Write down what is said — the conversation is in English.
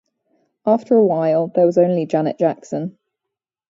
After a while, there was only Janet Jackson.